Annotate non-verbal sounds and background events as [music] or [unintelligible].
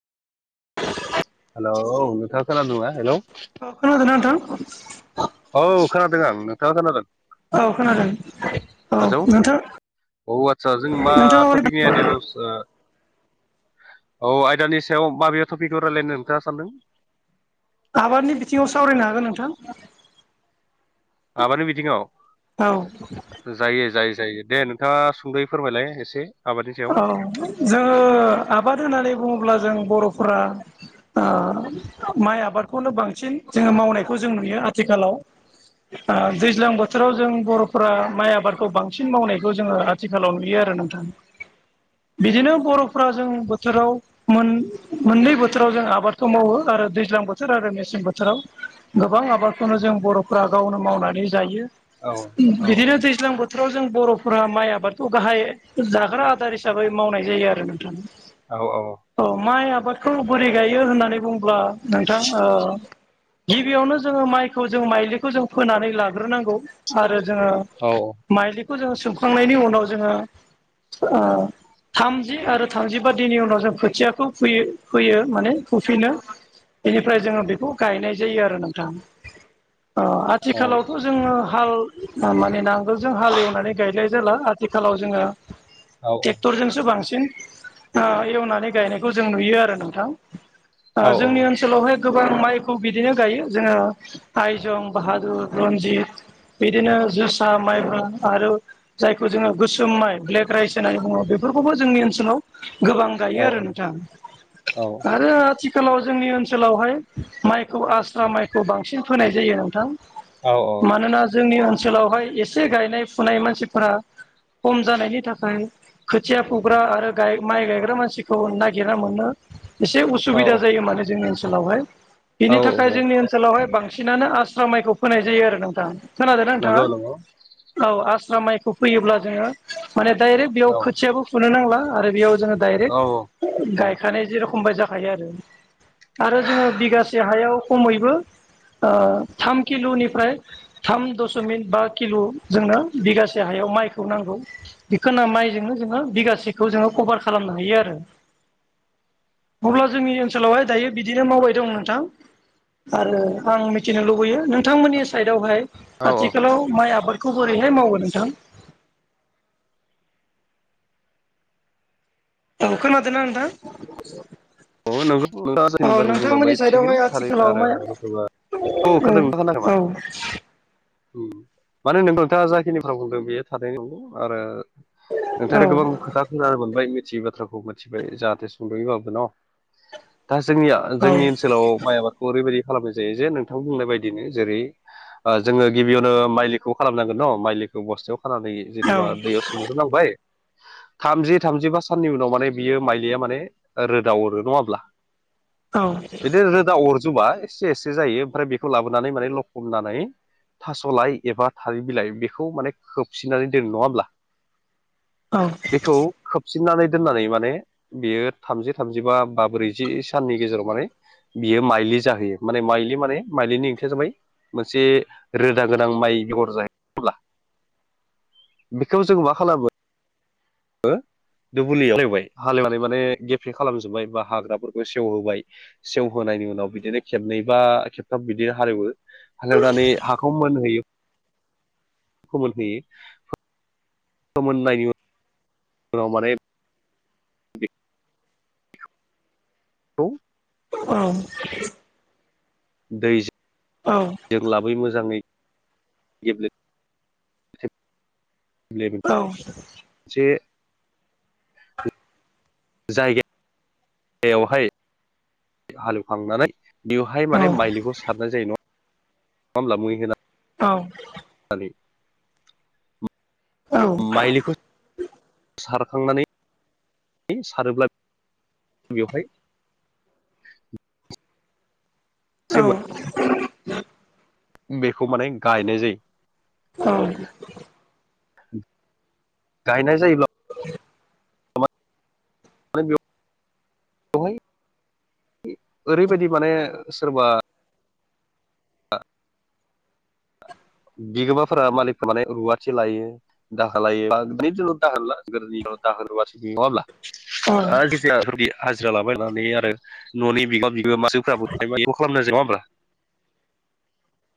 Hello नोंथां खोनादोंना hello खोनादों ना नोंथां? औ खानादों आं नोंथाङा खोनादों? औ खोनादों औ आसौ नोंथां औ आदसा जों मा थ'पिकनि नोंथाङा आयदायाव ओ औ आयदानि सायाव माबे टपिकखौ रायज्लायनो नोंथाङा सानदों? आबादनि बिथिङाव सावरायनो हागोन नोंथां। माबानि बिथिङाव औ जायो जायो जायो दे नोंथाङा सुंद'यै फोरमायलाय एसे। आबादनि सायाव औ जोङो आबाद होननानै बुङोब्ला जों बर'फोरा ओ माइ आबादखौनो बांसिन जोङो मावनायखौ जों नुयो आथिखालाव। ओ दैज्लां बोथोराव जों बर'फोरा माइ आबादखौ बांसिन मावनायखौ जोङो थिखालाव नुयो आरो नोंथां। बिदिनो बर'फ्रा जों बोथोराव मोन-मोननै बोथोराव जों आबादखौ मावो आरो दैज्लां बोथोर आरो मेसें बोथोराव। गोबां आबादखौनो जों बर'फोरा गावनो मावनानै जायो। औ औ बिदिनो दैज्लां बोथोराव जों बर'फोरा माइ आबादखौ गाहाय जा ग्रा आदार हिसाबै मावनाय जायो आरो नोंथां। औ औ औ माइ आबादखौ बोरै गायो होननानै बुंङोब्ला नोंथां ओ गिबियावनो जोङो माइखौ जों माइलिखौ जों फोनानै लाग्रोनांगौ आरो जोङो औ माइलिखौ जोङो सोमखांनायनि उनाव जोङो ओ थामजि आरो थामजिबा दिननि उनाव जों खोथियाखौ फैयो फैयो माने हुफिनो बेनिफ्राय जोङो बेखौ गायनाय जायो आरो नोंथां औ आथिखालावथ' जोङो हाल माने नांगोलजों हाल एवनानै गायलाय जेला आथिखालाव जोङो औ ट्रेक्टरजोंसो बांसिन ओ एवनानै गायनायखौ जों नुयो आरो नोंथां ओ औ जोंनि ओन सोलावहाय गोबां माइखौ बिदिनो गायो जोङो आइजं बाहादुर रनजित बिदिनो जोसा माइफोर आरो जायखौ जोङो गोसोम माइ ब्लेक राइस होननानै बुङो बेफोरखौबो जोंनि ओनसोलाव गोबां गायो औ आरो नोंथां आरो आथि खालाव जोंनि ओनसोलावहाय माइखौ आस्रा माइखौ बांसिन फोनाय जायो नोंथां। औ मानोना जोंनि ओनसोलावहाय एसे गायनाय फुनाय मानसिफोरा खम जानायनि थाखाय खोथिया फुग्रा आरो गाय माइ गायग्रा मानसिखौ नागिरना मोनो एसे उसुबिदा जायो माने जोंनि ओनसोलावहाय। औ बिनि थाखाय औ जोंनि ओनसोलावहाय बांसिनानो आस्रा माइखौ फोनाय जायो आरो नोंथां। खोनादोंना नंगौ नंगौ नोंथांङा औ आस्रा माइखौ फैयोब्ला जोङो माने डाइरेक्ट बेयाव औ खोथियाबो फुनो नांला आरो बेयाव जोङो औ डाइरेक्ट औ गायखानाय जेरखम बाय जाखायो आरो। आरो जोंङो बिगासे हायाव खमैबो ओ थाम किल'निफ्राय थाम दशमिक बा किल' जोंनो बिगासे हायाव माइखौ नांगौ। बेखौनो माइजोंनो जोंङो बिगासेखौ जोंङो कभार खालामनो हायो आरो अब्ला जोंनि ओनसोलावहाय दायो बिदिनो मावबाय दं नोंथां। आरो आं मिथिनो लुबैयो नोंथांमोननि साइडआवहाय औ औ आथिखालाव माइ आबादखौ बोरैहाय मावो नोंथां। औ खोनादोंना नोंथां अ नोंथां औ [unintelligible] नोंथांमोननि बुंलाबाय साइडआवहाय थिगैनो थारै आथिखालाव आरो माइ औ जथ'बा औ खोनादों नोंथाङा खोनाखै औ नामा माने नोंथांङा जाखिनिफ्रा बुंदों बेयो थानायनि नंगौ आरो [unintelligible] औ नोंथांङा गोबां खोथा खोनानो मोनबाय मिथियै बाथ्राखौ मिथिबाय जाहाथे सुंद'योबाबो न' दा जोंनिया औ जोंनि ओनसोलाव माइ आबादखौ ओरैबायदि खालामनाय जायो जे नोंथां बुंनाय बायदिनो जेरै ओ जोंङो गिबियावनो माइलिखौ खालामनांगोन न' माइलिखौ बस्थायाव खानानै जिथुबा दैयाव [unintelligible] थामजि थामजिबा साननि उनाव माने बियो माइलिया माने रो [unintelligible] हरो नङा होमब्ला बिदि रोदा जुबा एसे एसे जायो ओमफ्राय बेखौ लाबोनानै माने लखननानै थास'लाइ एबा थाल बिलाइ बेखौ माने खोबसिननानै दोनो नंङा होमब्ला औ बेखौ खोबसिननानै दोननानै माने बियो थामजि थामजिबा बा ब्रैजि साननि गेजेराव माने बियो माइलि जाहैयो माने माइलि माने माइलिनि ओंथिया जाबाय मोनसे रोदा गोनां माइ बेगर जाहैब्ला बेखौ जों मा खालामो दुबुलियावायबाय हालवनानै माने गे सिफ्रि खालामजोब्बाय बा हाग्राफोरखौ सेवहोबाय सेवहोनायनि उनाव बिदिनो खेबनै बा खेबथाम बिदि हालेवो हाग्रनानै हाखौ मोनहोयोखौ मोनहोयो मोनहोयो खोमोननायनि उन उनाव [unintelligible] [unintelligible] औ। दै औ। जों लाबोयो मोजांङै गेब्ले [unintelligible] औ। जे [inaudible] जायगा यावहाय हालेवखांनानै बेवहाय औ माने माइलिखौ सारनाय जायो नंङा [inaudible] मै होनां [unintelligible] औ। [unintelligible] औ माइलिखौ सारखांनानै सारोब्ला [inaudible] बेवहाय औ। एसे बेखौ माने गायनाय जायो। औ। गायनाय जायोब्ला [inaudible] [unintelligible] बेवहाय ओरैबायदि माने सोरबा बिगोमाफोरा मालिकफोरा माने रुवाथि लायो। [unintelligible] दाहोबासो नङा होमब्ला? औ आ [unintelligible] हाजिरा लाबायनानै आरो न'नि बिगोमा बिगोमाजोफ्राबो [unintelligible] खालामनाय जायो नङा होमब्ला?